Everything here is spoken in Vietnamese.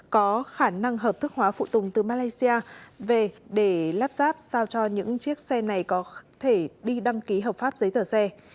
có khả năng hợp thức hóa phụ tùng từ malaysia về để lắp ráp sao cho những chiếc xe này có thể đi đăng ký hợp pháp giấy tờ xe